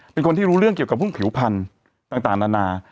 เป็นคนที่รู้เรื่องเกี่ยวกับหุ้นผิวพันธุ์ต่างนานา